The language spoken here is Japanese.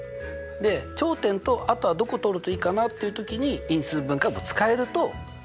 で頂点とあとはどこ通るといいかなっていう時に因数分解も使えるとすごくいいわけですよ。